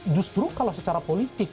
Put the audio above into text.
justru kalau secara politik